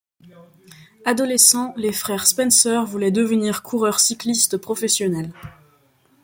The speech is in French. Adolescents, les frères Spencer voulaient devenir coureurs cyclistes professionnels.